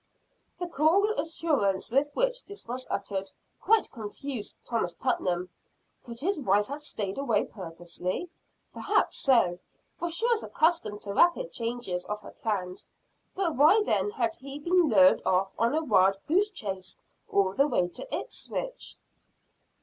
The cool assurance with which this was uttered, quite confused Thomas Putnam. Could his wife have stayed away purposely? Perhaps so, for she was accustomed to rapid changes of her plans. But why then had he been lured off on a wild goose chase all the way to Ipswich?